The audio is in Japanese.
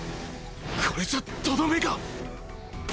これじゃとどめが。